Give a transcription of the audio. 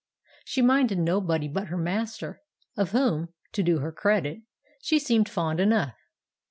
She minded nobody but her master, of whom, to do her credit, she seemed fond enough.